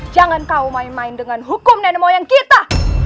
jangan kau main main dengan hukum nenek moyang kita